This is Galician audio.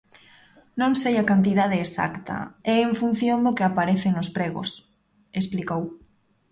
"Non sei a cantidade exacta, é en función do que aparece nos pregos", explicou.